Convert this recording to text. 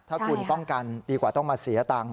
อาการดีกว่าต้องมาเสียตังค์